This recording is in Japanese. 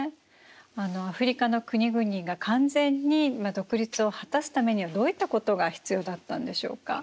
アフリカの国々が完全に独立を果たすためにはどういったことが必要だったんでしょうか？